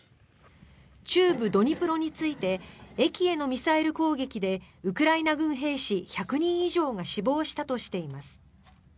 中部ドニプロについて駅へのミサイル攻撃でウクライナ軍兵士１００人以上が死亡したとしています。